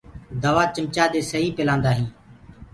دوآ چمچآ دي سئي پلآندآ هينٚ۔